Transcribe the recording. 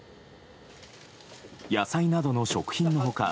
野菜などの食品の他